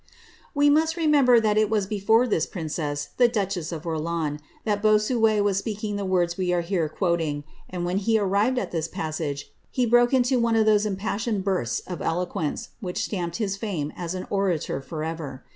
^' We naust remember that it was before this princess, the duchess of Orleans, that Bossuet was speaking the words we here are quoting, and, when he arrived at this passage, he broke into one of those impassioned borsts of eloquence which stamped his fame as an orator for ever.